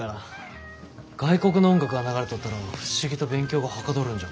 外国の音楽が流れとったら不思議と勉強がはかどるんじゃ。